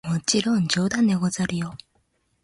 もちろん冗談でござるよ！